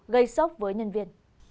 gây sốc với nhân viên